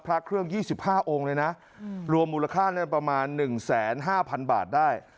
พระเครื่องยี่สิบห้าองค์เลยนะรวมมูลค่าได้ประมาณหนึ่งแสนห้าพันบาทได้